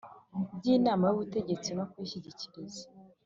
by Inamay Ubutegetsi no kuyishyikiriza